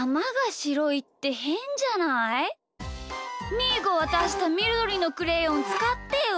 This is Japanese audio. みーがわたしたみどりのクレヨンつかってよ！